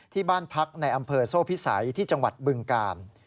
ที่บ้านพักในอำเภอโซ่พิสัยที่จังหวัดบึงกาล